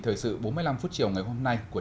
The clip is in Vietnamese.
thời sự bốn mươi năm phút chiều ngày hôm nay của